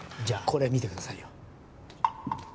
じゃあこれ見てくださいよ。